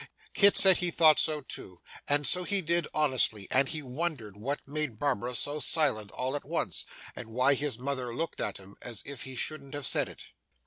Kit said he thought so too, and so he did honestly, and he wondered what made Barbara so silent all at once, and why his mother looked at him as if he shouldn't have said it.